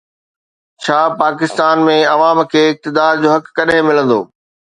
ڇا پاڪستان ۾ عوام کي اقتدار جو حق ڪڏهن ملندو؟